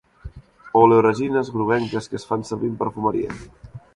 Oleoresines groguenques que es fan servir en perfumeria.